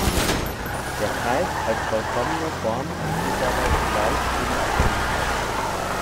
Der Kreis als vollkommene Form steht dabei zugleich für die Absolutheit.